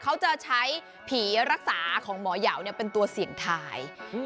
เขาจะใช้ผีรักษาของหมอยาวเป็นตัวเสี่ยงทาย